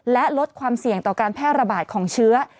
และลดความเสี่ยงต่อการแพร่ระบาดของเชื้อ